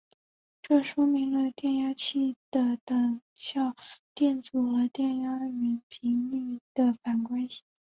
这说明了电压器的等效电阻和电压源频率的反关系。